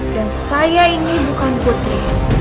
dan saya ini bukan putri